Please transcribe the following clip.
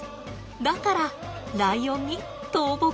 だからライオンに倒木です。